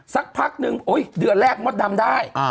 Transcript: สักพักนึงเดือนแรกมดดำได้